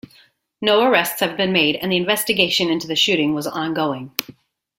No arrests have been made and the investigation into the shooting was ongoing.